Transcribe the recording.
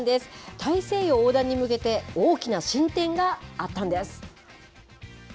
大西洋横断に向けて、大きな進展があったんです。